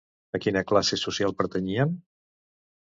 A quina classe social pertanyien?